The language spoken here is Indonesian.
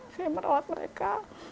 saya merawat mereka